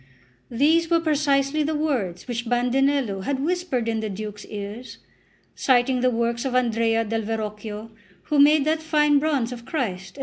These were precisely the words which Bandinello had whispered in the Duke's ears, citing the works of Andrea del Verrocchio, who made that fine bronze of Christ and S.